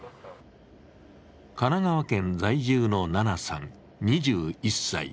神奈川県在住のななさん、２１歳。